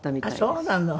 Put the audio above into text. あっそうなの。